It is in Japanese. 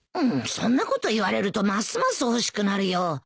そんなこと言われるとますます欲しくなるよ